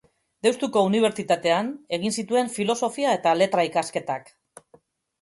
Deustuko Unibertsitatean egin zituen Filosofia eta Letra ikasketak.